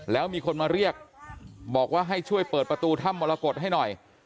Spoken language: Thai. แล้วมีคนมาเรียกบอกว่าให้ช่วยเปิดประตูถ้ำมรกฏให้หน่อย